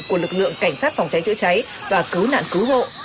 của lực lượng cảnh sát phòng cháy chữa cháy và cứu nạn cứu hộ